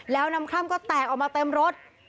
แล้วน้ำคร่ำก็แตกออกมาเต็มรถ